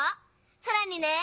さらにね！